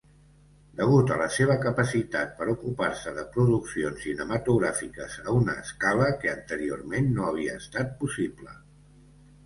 Degut a la seva capacitat per ocupar-se de produccions cinematogràfiques a una escala que anteriorment no havia estat possible.